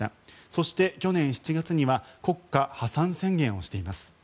そして、去年７月には国家破産宣言をしています。